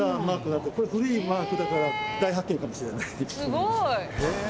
すごい。